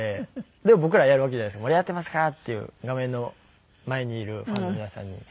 でも僕らはやるわけじゃないですか「盛り上がってますか」っていう画面の前にいるファンの皆さんに。